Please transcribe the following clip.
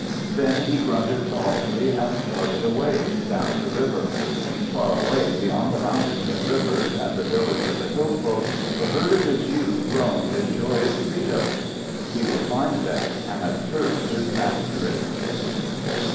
Then he grunted softly and started away down the river. Far away, beyond the mountains and rivers and the villages of the hillfolk, the herd of his youth roamed in joyous freedom. He would find them and assert his mastery.